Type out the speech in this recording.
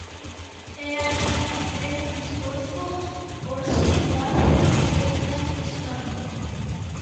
E hai que facer un esforzo por situarse no seu tempo histórico.